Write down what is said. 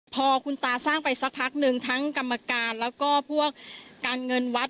พอคุณตาสร้างไปสักพักหนึ่งทั้งกรรมการแล้วก็พวกการเงินวัด